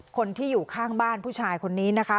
คนที่อยู่ข้างบ้านผู้ชายคนนี้นะคะ